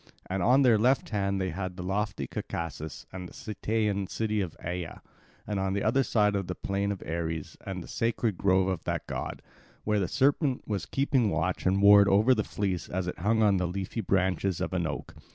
And on their left hand they had lofty Caucasus and the Cytaean city of Aea, and on the other side the plain of Ares and the sacred grove of that god, where the serpent was keeping watch and ward over the fleece as it hung on the leafy branches of an oak.